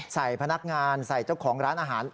ใส่พนักงานใส่เจ้าของร้านอาหาร